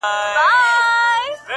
لا کومول ته په غوسه په خروښېدو سو-